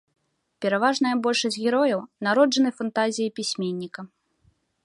Пераважная большасць герояў народжаны фантазіяй пісьменніка.